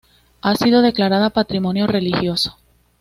Ha sido declarada patrimonio religioso.